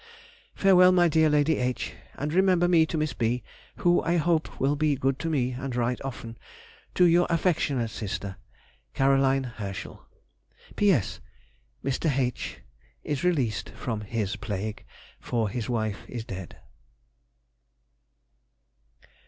Farewell, my dear Lady H., and remember me to Miss B., who, I hope, will be good to me and write often to Your affectionate sister, CAR. HERSCHEL. P.S.—Mr. H—— is released from his plague, for his wife is dead.